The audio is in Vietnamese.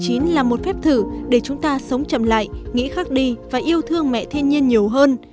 covid một mươi chín là một phép thử để chúng ta sống chậm lại nghĩ khác đi và yêu thương mẹ thiên nhiên nhiều hơn